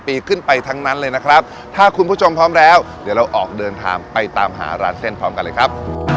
ปีขึ้นไปทั้งนั้นเลยนะครับถ้าคุณผู้ชมพร้อมแล้วเดี๋ยวเราออกเดินทางไปตามหาร้านเส้นพร้อมกันเลยครับ